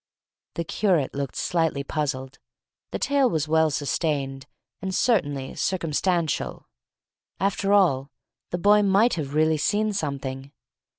The curate looked slightly puzzled. The tale was well sustained, and certainly circumstantial. After all, the boy might have really seen something.